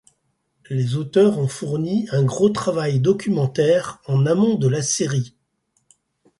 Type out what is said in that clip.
Les auteurs ont fourni un gros travail documentaire en amont de la série.